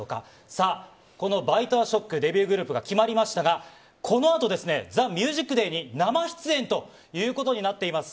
さあ、このＢｉＴＥＡＳＨＯＣＫ、デビューグループが決まりましたが、このあとですね、ＴＨＥＭＵＳＩＣＤＡＹに生出演ということになっています。